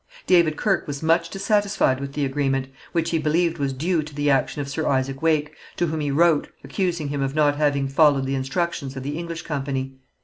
David Kirke was much dissatisfied with the agreement, which he believed was due to the action of Sir Isaac Wake, to whom he wrote, accusing him of not having followed the instructions of the English company.